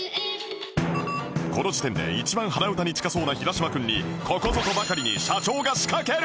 この時点で一番鼻歌に近そうな平島君にここぞとばかりに社長が仕掛ける！